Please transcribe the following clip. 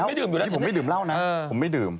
พี่ผมไม่ดื่มเหล้านะผมไม่ดื่ม